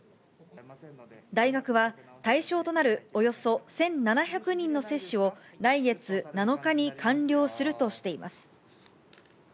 大学は、対象となるおよそ１７００人の接種を、来月７日に完了するとしています。